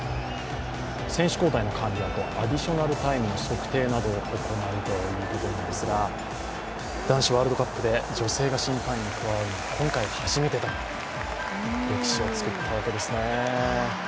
選手交代の管理やアディショナルタイムの測定を行うということなんですが男子ワールドカップで女性が審判員に加わるのは今回が初めて、歴史を作ったわけですね。